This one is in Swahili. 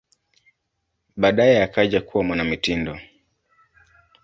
Baadaye akaja kuwa mwanamitindo.